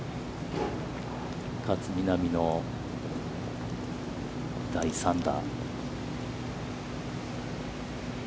勝みなみの第３打。